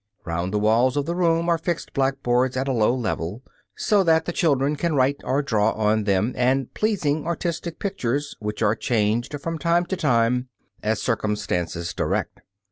Round the walls of the room are fixed blackboards at a low level, so that the children can write or draw on them, and pleasing, artistic pictures, which are changed from time to time as circumstances direct.